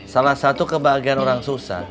salah satu kebahagiaan orang susah